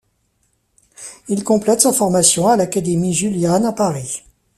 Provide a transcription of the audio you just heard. Il complète sa formation à l'Académie Julian à Paris.